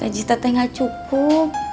teh teh teh nggak cukup